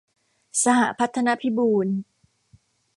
สหพัฒนพิบูล